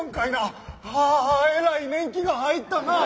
ああえらい年季が入ったなあ。